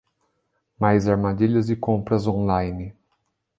Mais armadilhas de compras online